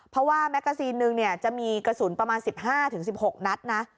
เพราะว่าแม็กซ์กระสุนหนึ่งจะมีกระสุนประมาณ๑๕๑๖นัท